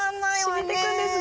染みてくんですね。